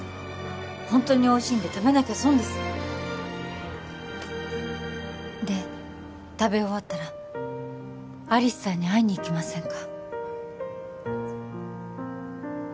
ホントにおいしいんで食べなきゃ損ですで食べ終わったら有栖さんに会いに行きませんか？